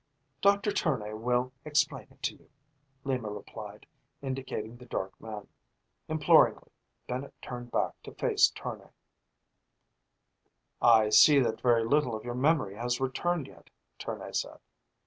"Doctor Tournay will explain it to you," Lima replied, indicating the dark man. Imploringly, Bennett turned back to face Tournay. "I see that very little of your memory has returned yet," Tournay said.